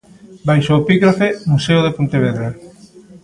Baixo o epígrafe "Museo de Pontevedra".